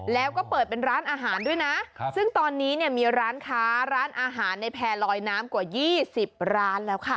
แล้วก็เปิดเป็นร้านอาหารด้วยนะซึ่งตอนนี้เนี่ยมีร้านค้าร้านอาหารในแพร่ลอยน้ำกว่า๒๐ร้านแล้วค่ะ